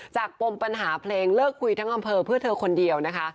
ปมปัญหาเพลงเลิกคุยทั้งอำเภอเพื่อเธอคนเดียวนะคะ